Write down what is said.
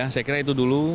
saya kira itu dulu